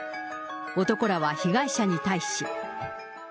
男らは被害者に対し。